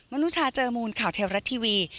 นุชาเจอมูลข่าวเทวรัฐทีวี